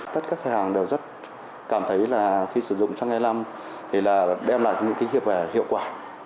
tất các khách hàng đều rất cảm thấy là khi sử dụng xăng e năm thì đem lại những kinh nghiệm hiệu quả